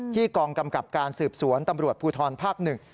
ที่กองกำกับการสืบสวนตำรวจภูทรภาพหนึ่ง